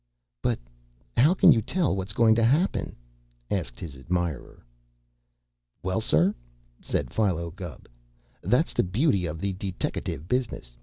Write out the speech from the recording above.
"But how can you tell what's goin' to happen?" asked his admirer. "Well, sir," said Philo Gubb, "that's the beauty of the deteckative business.